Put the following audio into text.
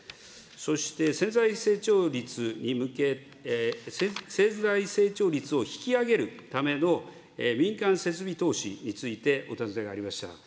そして、潜在成長率を引き上げるための民間設備投資についてお尋ねがありました。